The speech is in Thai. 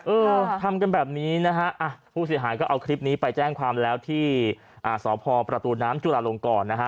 เออทำกันแบบนี้นะฮะผู้เสียหายก็เอาคลิปนี้ไปแจ้งความแล้วที่สพประตูน้ำจุลาลงกรนะฮะ